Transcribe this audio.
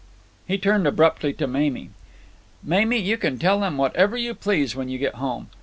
He turned abruptly to Mamie. "Mamie, you can tell them whatever you please when you get home.